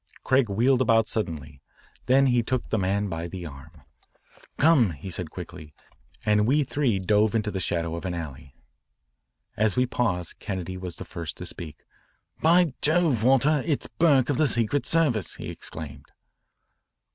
Craig wheeled about suddenly. Then he took the man by the arm. "Come," he said quickly, and we three dove into the shadow of an alley. As we paused, Kennedy was the first to speak. "By Jove, Walter, it's Burke of the Secret Service," he exclaimed.